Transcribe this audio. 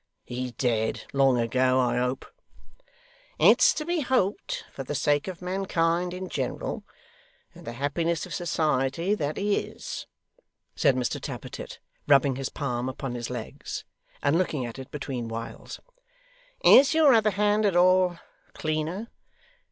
He's dead long ago, I hope.' 'It's to be hoped, for the sake of mankind in general and the happiness of society, that he is,' said Mr Tappertit, rubbing his palm upon his legs, and looking at it between whiles. 'Is your other hand at all cleaner?